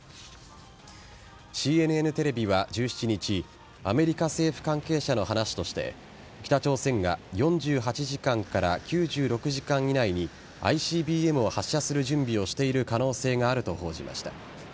ＣＮＮテレビは１７日アメリカ政府関係者の話として北朝鮮が４８時間から９６時間以内にＩＣＢＭを発射する準備をしている可能性があると報じました。